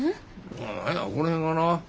うん何やこの辺がな。